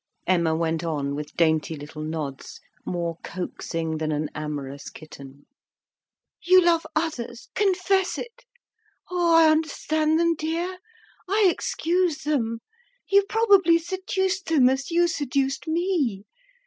Emma went on, with dainty little nods, more coaxing than an amorous kitten "You love others, confess it! Oh, I understand them, dear! I excuse them. You probably seduced them as you seduced me.